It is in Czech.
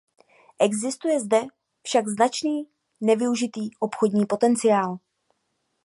Existuje zde však značný nevyužitý obchodní potenciál.